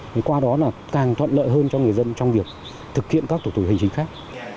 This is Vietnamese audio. thì qua đó là càng thuận lợi hơn cho người dân trong việc thực hiện các thủ tục hành chính khác